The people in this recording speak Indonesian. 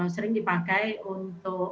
sering dipakai untuk